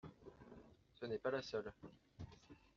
Ce n’est pas la seule.